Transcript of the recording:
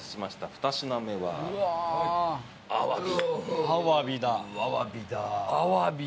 ２品目はアワビ。